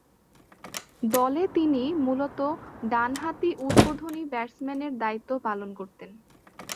দলে তিনি মূলতঃ ডানহাতি উদ্বোধনী ব্যাটসম্যানের দায়িত্ব পালন করতেন।